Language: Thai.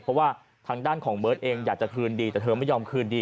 เพราะว่าทางด้านของเบิร์ตเองอยากจะคืนดีแต่เธอไม่ยอมคืนดี